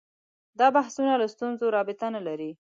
دا بحثونه له ستونزو رابطه نه لري